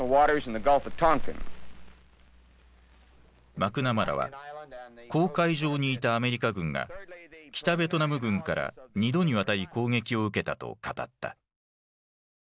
マクナマラは公海上にいたアメリカ軍が北ベトナム軍から２度にわたり攻撃を受けたと語った。